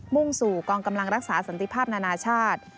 ่งสู่กองกำลังรักษาสันติภาพนานาชาติ